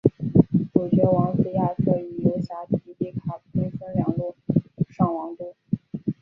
主角王子亚瑟与游侠迪迪卡兵分两路上王都。